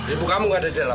ibu kamu gak ada di dalam